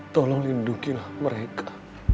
tolong lindungilah mereka